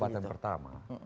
pada masalah pertama